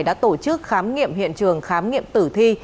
đã tổ chức khám nghiệm hiện trường khám nghiệm tử thi